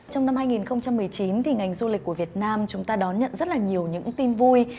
trong năm hai nghìn một mươi chín thì ngành du lịch của việt nam chúng ta đón nhận rất là nhiều những tin vui